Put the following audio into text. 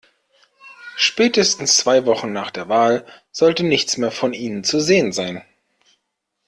Spätestens zwei Wochen nach der Wahl sollte nichts mehr von ihnen zu sehen sein.